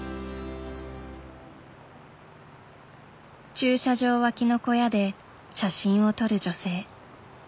駐車場脇の小屋で写真を撮る女性。